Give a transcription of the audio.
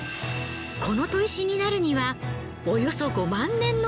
この砥石になるにはおよそ５万年の歳月が。